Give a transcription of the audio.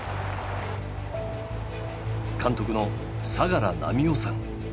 監督の相良南海夫さん。